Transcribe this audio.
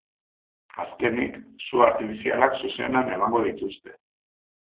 Azkenik, su artifizialak zuzenean emango dituzte.